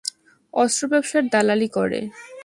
অস্ত্র ব্যবসার দালালী করে।